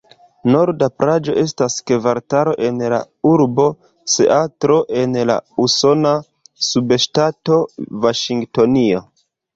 Norda Plaĝo estas kvartalo en la urbo Seatlo en la usona subŝtato Vaŝingtonio.